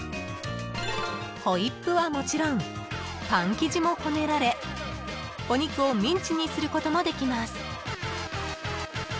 ［ホイップはもちろんパン生地もこねられお肉をミンチにすることもできます］